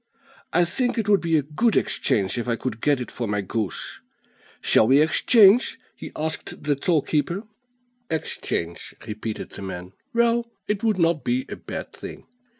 I think it would be a good exchange if I could get it for my goose. Shall we exchange?" he asked the toll keeper. "Exchange," repeated the man; "well, it would not be a bad thing."